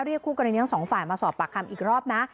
คู่กรณีทั้งสองฝ่ายมาสอบปากคำอีกรอบนะ